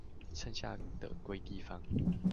剩下的歸地方